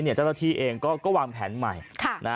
เจ้าหน้าที่เองก็วางแผนใหม่